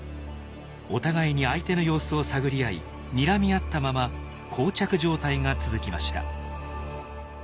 お互いに相手の様子を探り合いにらみ合ったままこう着状態が続きました。